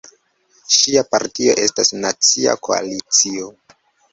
Ŝia partio estas Nacia Koalicio.